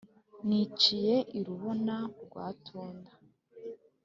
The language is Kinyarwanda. Niciye i Rubona rwa Tunda,